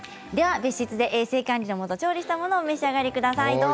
別室で衛生管理のもと調理したものをお召し上がりください。